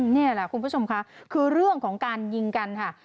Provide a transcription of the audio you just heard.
นี่แหละคุณผู้ชมค่ะคือเรื่องของการยิงกันค่ะ